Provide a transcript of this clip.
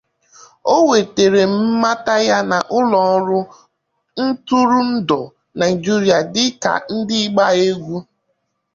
O nwetara mmata ya na ụlọ ọrụ ntụrụndụ Naịjirịa dị ka ndị ịgba egwu.